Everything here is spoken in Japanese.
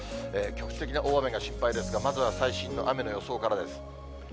局地的な大雨が心配ですが、まずは最新の雨の予想からです。